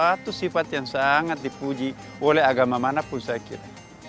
dan suatu sifat yang sangat dipuji oleh agama manapun saya kira